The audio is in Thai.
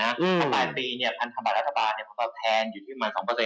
ในปลายปีพันธบัตรรัฐบาลแทนอยู่ที่๑๒เปอร์เซ็นต์